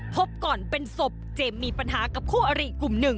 พบก่อนเป็นศพเจมส์มีปัญหากับคู่อริกลุ่มหนึ่ง